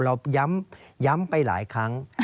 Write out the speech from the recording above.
เราย้ำไปหลายครั้ง